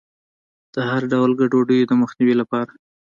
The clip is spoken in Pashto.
د هر ډول ګډوډیو د مخنیوي لپاره.